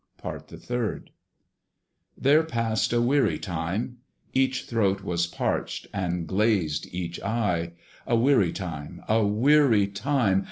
PART THE THIRD. There passed a weary time. Each throat Was parched, and glazed each eye. A weary time! a weary time!